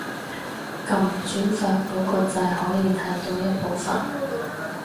撳轉發嗰個掣可以睇到一部分